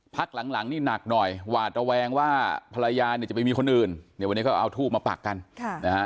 พักหลังนี่หนักหน่อยหวาดระแวงว่าภรรยาเนี่ยจะไปมีคนอื่นเนี่ยวันนี้ก็เอาทูบมาปักกันนะฮะ